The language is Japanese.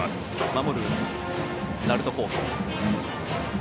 守る鳴門高校。